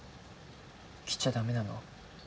来ちゃ駄目なの？